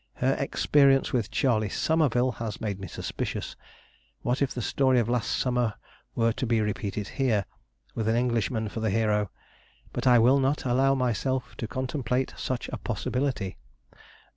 Her experience with Charlie Somerville has made me suspicious. What if the story of last summer were to be repeated here, with an Englishman for the hero! But I will not allow myself to contemplate such a possibility.